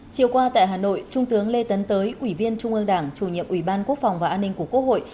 chiều qua tại hà nội trung tướng lê tấn tới ủy viên trung ương đảng chủ nhiệm ủy ban quốc phòng và an ninh của quốc hội